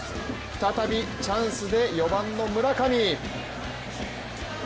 再びチャンスで４番の村上。